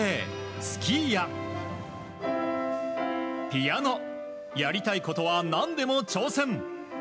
スキーやピアノ、やりたいことはなんでも挑戦。